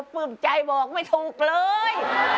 ปลื้มใจบอกไม่ถูกเลย